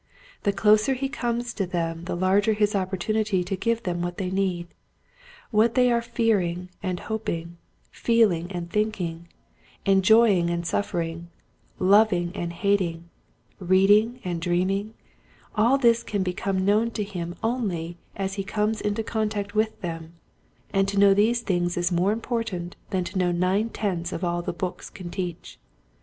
The closer he comes to them the larger his opportunity to give them what they need. What they are fearing and hoping, feeling and thinking, enjoying and suffering, loving and hating, reading and dreaming, all this can become known to him only as he comes into contact with them, and to know these things is more important than to know nine tenths of all the books can teach.